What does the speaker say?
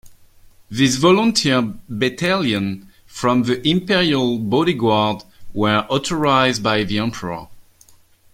This volunteer battalion from the Imperial Bodyguard were authorized by the Emperor.